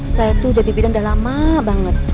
saya itu jadi bidan udah lama banget